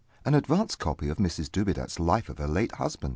An advance copy of Mrs Dubedat's Life of her late husband.